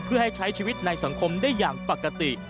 เพื่อให้ใช้ชีวิตในสังคมได้อย่างปกติ